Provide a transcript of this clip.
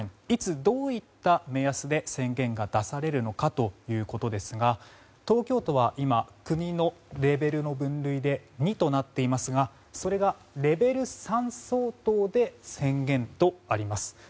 いつ、どういった目安で宣言が出されるかということですが東京都は今、国のレベルの分類で２となっていますがそれがレベル３相当で宣言とあります。